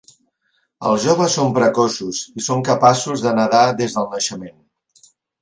Els joves són precoços, i són capaços de nedar des del naixement.